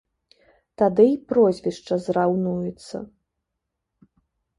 Тады й прозвішча зраўнуецца.